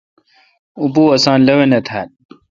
اوں پوُ ے اساں لوَنے تھال۔